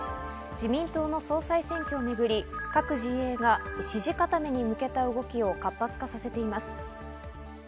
自民党の総裁選挙をめぐり各陣営が支持固めに向けた動きを活発化させています。